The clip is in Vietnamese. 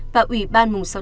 và ủy ban mục tiêu